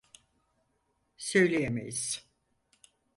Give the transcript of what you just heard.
Söyleyemeyiz.